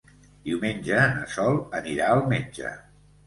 Diumenge na Sol anirà al metge.